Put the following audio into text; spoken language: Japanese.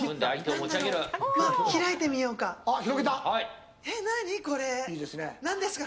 開いてみようか。